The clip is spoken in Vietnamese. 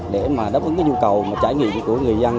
để đáp ứng nhu cầu trải nghiệm của người dân